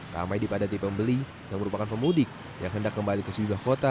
ramai dipadati pembeli yang merupakan pemudik yang hendak kembali ke sejumlah kota